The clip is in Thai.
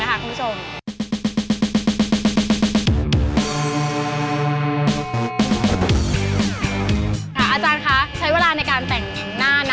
อาจารย์คะใช้เวลาในการแต่งหน้านะ